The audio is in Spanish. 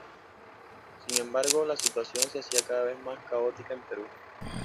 Sin embargo, la situación se hacía cada más caótica en Perú.